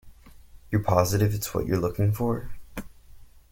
You're positive it's what you're looking for?